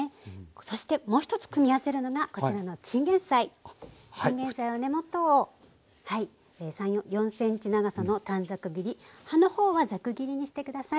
そしてもう一つ組み合わせるのがこちらのチンゲンサイの根元を３４ｃｍ長さの短冊切り葉の方はザク切りにして下さい。